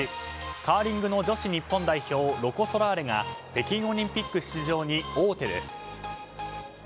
カーリングの女子日本代表ロコ・ソラーレが北京オリンピック出場に王手です。